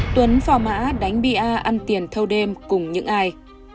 tuấn phỏ mã đánh bia ăn tiền thâu đêm cùng những ai